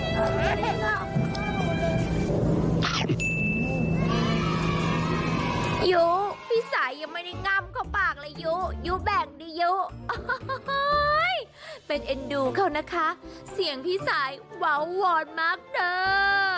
ยูพี่สายยังไม่ได้ง่ำเข้าปากเลยยูยูแบ่งดิยูเป็นเอ็นดูเขานะคะเสียงพี่สายวาววอนมากเถอะ